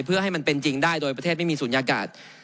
เพื่อให้มันเป็นจริงได้โดยประเทศไม่มีศูนยากาศ